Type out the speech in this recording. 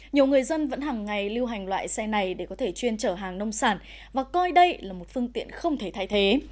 nhiều người dân vẫn hàng ngày lưu hành loại xe này để có thể chuyên trở hàng nông sản và coi đây là một phương tiện không thể thay thế